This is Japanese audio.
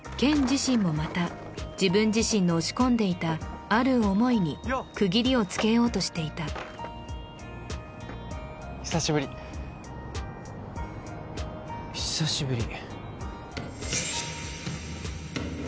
自身もまた自分自身の押し込んでいたある思いに区切りをつけようとしていた久しぶり久しぶり